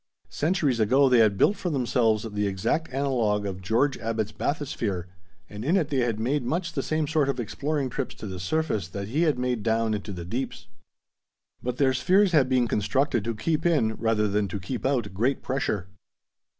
Centuries ago they had built for themselves the exact analog of George Abbot's bathysphere, and in it they had made much the same sort of exploring trips to the surface that he had made down into the deeps. But their spheres had been constructed to keep in, rather than to keep out, great pressure.